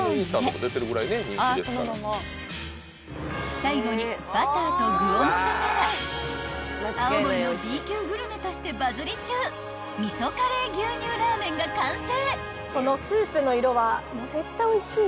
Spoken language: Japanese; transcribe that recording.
［最後にバターと具をのせたら青森のＢ級グルメとしてバズり中味噌カレー牛乳ラーメンが完成］